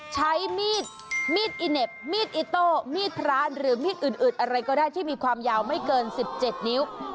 ใช้มีดมีดอิเน็บมีดอิโต้มีดพระหรือมีดอื่นอะไรก็ได้ที่มีความยาวไม่เกิน๑๗นิ้ว